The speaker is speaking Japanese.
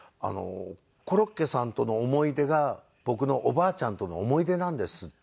「コロッケさんとの思い出が僕のおばあちゃんとの思い出なんです」っていう。